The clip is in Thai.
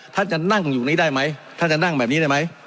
ท่านจะนั่งอยู่นี้ได้ไหมท่านจะนั่งแบบนี้ได้ไหม